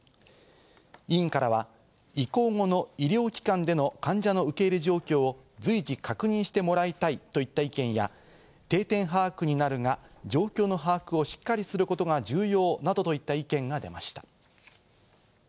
委員からは移行後の医療機関での患者の受け入れ状況を随時確認してもらいたいといった意見や定点把握になるが、状況の把握をしっかりすることが重要などといった意見が出ました。